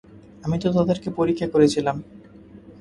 আমি তো তাদেরকে পরীক্ষা করেছিলাম।